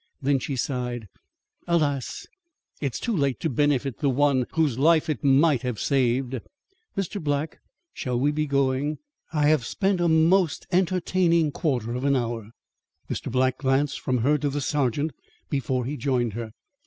Then she sighed: "Alas! it's too late to benefit the one whose life it might have saved. Mr. Black, shall we be going? I have spent a most entertaining quarter of an hour." Mr. Black glanced from her to the sergeant before he joined her.